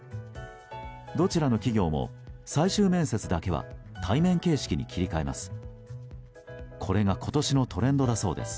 どちらの企業も、最終面接だけは対面形式に切り替えます。